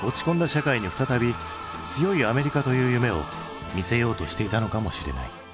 社会に再び強いアメリカという夢をみせようとしていたのかもしれない。